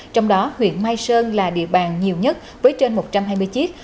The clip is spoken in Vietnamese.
trong đó huyện mai sơn là địa bàn nhiều nhất với trên một trăm hai mươi chiếc